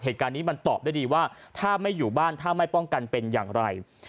เหตุการณ์นี้มันตอบได้ดีว่าถ้าไม่อยู่บ้านถ้าไม่ป้องกันเป็นอย่างไร